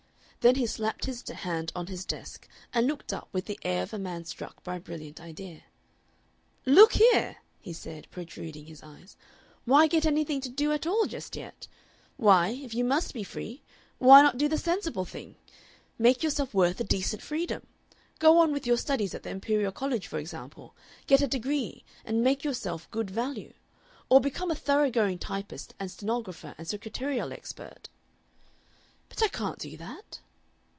Then he slapped his hand on his desk and looked up with the air of a man struck by a brilliant idea. "Look here," he said, protruding his eyes; "why get anything to do at all just yet? Why, if you must be free, why not do the sensible thing? Make yourself worth a decent freedom. Go on with your studies at the Imperial College, for example, get a degree, and make yourself good value. Or become a thorough going typist and stenographer and secretarial expert." "But I can't do that."